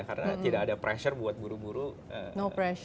karena tidak ada pressure buat buru buru beli